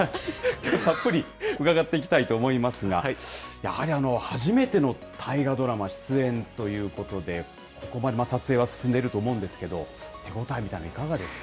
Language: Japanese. きょう、たっぷり伺っていきたいと思いますが、やはり、初めての大河ドラマ出演ということで、ここまで撮影は進んでいると思うんですけど、手応えみたいのはいかがですか。